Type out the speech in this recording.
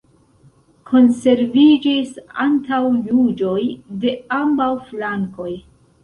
Konserviĝis antaŭjuĝoj de ambaŭ flankoj.